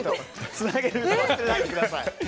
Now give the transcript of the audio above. つなげルート忘れないでください。